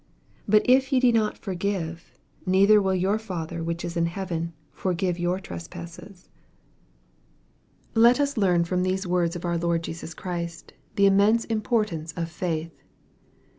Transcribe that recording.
26 But if ye do not forgi re, neither will your Father which is in heaver forgive your trespasses. MAKK, CHAP. XI. 237 LET us learn from these words of our Loid Jesus Christ, the immense importance of faith.